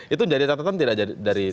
itu jadi catatan tidak dari tim perang